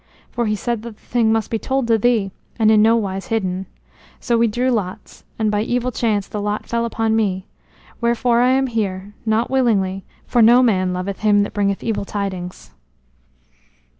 For he said that the thing must be told to thee, and in no wise hidden. So we drew lots, and by evil chance the lot fell upon me. Wherefore I am here, not willingly, for no man loveth him that bringeth evil tidings."